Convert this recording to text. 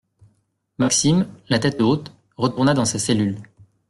Maxime, la tête haute, retourna dans sa cellule